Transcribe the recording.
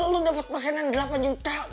lu dapat persenan delapan juta